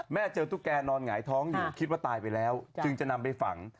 เจอตุ๊กแกนอนหงายท้องอยู่คิดว่าตายไปแล้วจึงจะนำไปฝัง